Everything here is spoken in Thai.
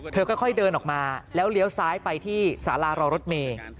ค่อยเดินออกมาแล้วเลี้ยวซ้ายไปที่สารารอรถเมย์